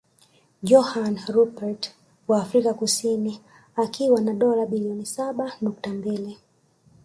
Johann Rupert wa Afrika Kusini akiwa na dola bilioni saba nukta mbili